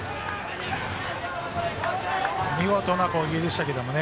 見事な攻撃でしたけどね。